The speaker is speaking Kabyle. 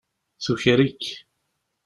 Tuker-ik.